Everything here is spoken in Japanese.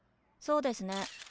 そうですね。